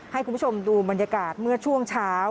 ให้คุณผู้ชมดูบรรยากาศเมื่อช่วงเช้า